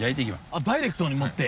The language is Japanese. あっダイレクトに持って？